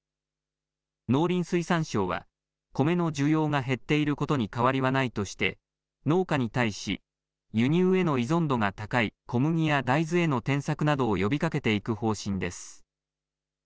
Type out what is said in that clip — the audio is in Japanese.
農林水産省はコメの需要が減っていることに変わりはないとして農家に対し輸入への依存度が高い小麦や大豆への転作などを呼びかけていく方針です。